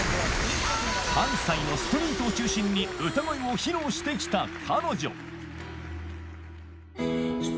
関西のストリートを中心に歌声を披露して来た彼女